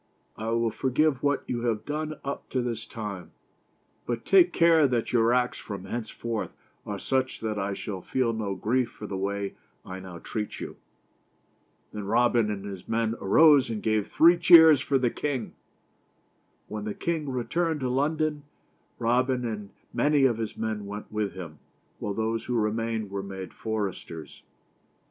I will forgive what you have done up to this time, but take care that your acts from hence forth are such that I shall feel no grief for the way I now treat you." Then Robin and his men arose and gave three cheers for the king. When the king returned to London, Robin and many of his men went with him, while those who remained were made foresters.